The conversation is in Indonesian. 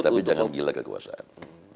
tapi jangan gila kekuasaan